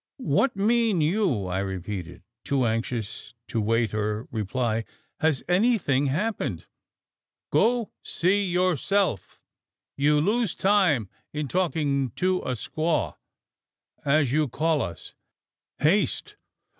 "What mean you?" I repeated, too anxious to wait her reply; "has anything happened?" "Go, see yourself! You lose time in talking to a squaw, as you call us. Haste!